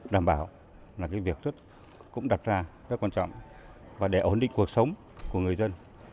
đảm bảo là cái việc rất cũng đặt ra rất quan trọng và để ổn định cuộc sống của người dân